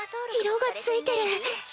色が付いてる。